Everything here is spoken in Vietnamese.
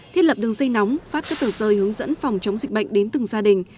thiết lập đường dây nóng phát các tờ rơi hướng dẫn phòng chống dịch bệnh đến từng gia đình